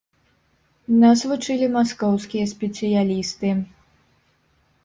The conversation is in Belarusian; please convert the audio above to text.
Нас вучылі маскоўскія спецыялісты.